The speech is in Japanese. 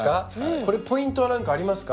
これポイントは何かありますか？